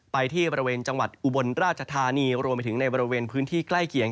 ไปที่บริเวณจังหวัดอุบลราชธานีรวมไปถึงในบริเวณพื้นที่ใกล้เคียง